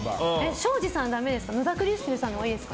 庄司さん、ダメですか？